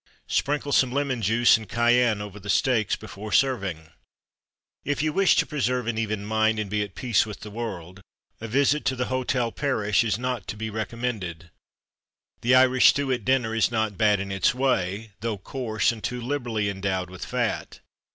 Sprinkle some lemon juice and cayenne over the steaks before serving. If you wish to preserve an even mind, and be at peace with the world, a visit to The Hotel Parish is not to be recommended. The Irish stew at dinner is not bad in its way, though coarse, and too liberally endowed with fat.